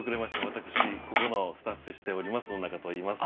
私ここのスタッフしております野中といいます。